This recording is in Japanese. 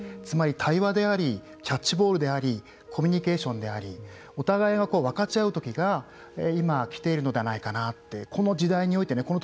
つまり対話でありキャッチボールでありコミュニケーションでありお互いが分かち合うときが今、来ているのではないかなってこの時代においてね